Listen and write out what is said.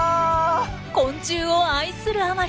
昆虫を愛するあまり